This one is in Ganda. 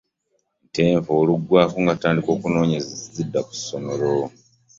Ntenvu oluggwaako nga tutandika kunoonga zidda ku ssomero.